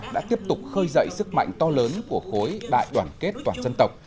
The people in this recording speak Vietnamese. đã tiếp tục khơi dậy sức mạnh to lớn của khối đại đoàn kết toàn dân tộc